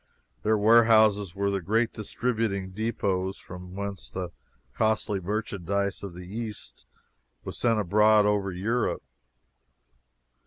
Their warehouses were the great distributing depots from whence the costly merchandise of the East was sent abroad over Europe.